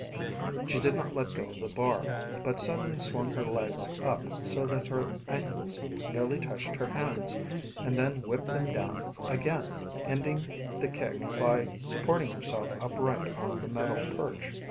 She did not let go of the bar, but suddenly swung her legs up so that her ankles nearly touched her hands, and then whipped them down again, ending the kip by supporting herself upright on the metal perch.